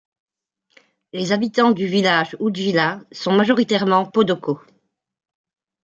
Les habitants du village Oudjila sont majoritairement Podoko.